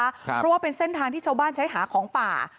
เพราะว่าเป็นเส้นทางที่ชาวบ้านใช้หาของป่า